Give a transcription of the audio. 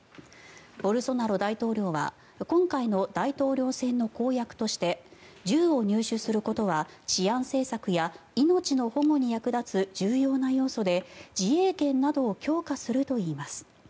ボルソナロ大統領は今回の大統領選の公約として銃を入手することは治安政策や命の保護に役立つ重要な要素で、自衛権などを強化するといいます。